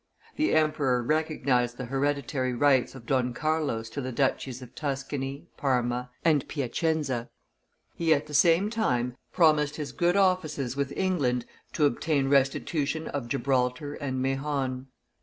The emperor recognized the hereditary rights of Don Carlos to the duchies of Tuscany, Parma, and Piacenza; he, at the same time, promised his good offices with England to obtain restitution of Gibraltar and Mahon.